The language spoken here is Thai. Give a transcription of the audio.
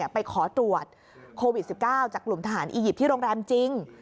ไปขอตรวจโควิด๑๙จากกลุ่มทหารอียิปต์ที่โรงแรมจริง